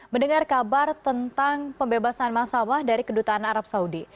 mendengar kabar tentang pembebasan massawah dari kedutaan arab saudi